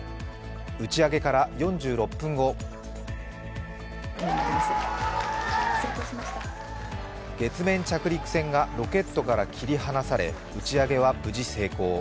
打ち上げから４６分後月面着陸船がロケットから切り離され打ち上げは無事成功。